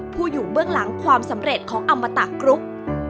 อยู่เบื้องหลังความสำเร็จของอมตะครุก